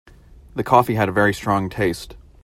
The coffee had a very strong taste.